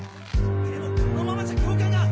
でもこのままじゃ教官が。